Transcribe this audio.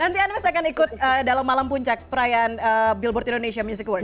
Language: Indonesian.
nanti anmes akan ikut dalam malam puncak perayaan billboard indonesia music award